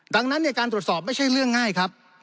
ดังนั้นการตรวจสอบไม่ใช่เรื่องง่ายครับ